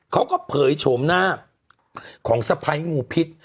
เขาก็เผยโฉมหน้าของสะพัยงูพิษ